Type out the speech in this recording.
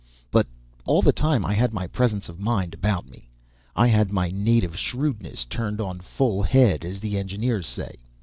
But all the time I had my presence of mind about me I had my native shrewdness turned on "full head," as the engineers say.